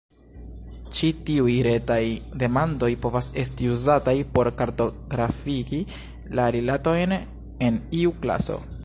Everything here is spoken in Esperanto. Ĉi tiuj retaj demandoj povas esti uzataj por kartografigi la rilatojn en iu klaso.